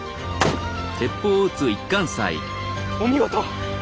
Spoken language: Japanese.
お見事！